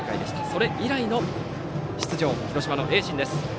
それ以来の出場となる広島の盈進です。